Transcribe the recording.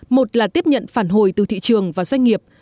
một là tiếp nhận phản hồi từ thị trường và doanh nghiệp